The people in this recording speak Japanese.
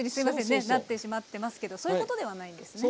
ねっなってしまってますけどそういうことではないんですね。